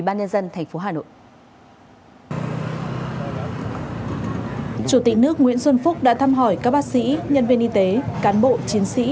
chủ tịch nước nguyễn xuân phúc đã thăm hỏi các bác sĩ nhân viên y tế cán bộ chiến sĩ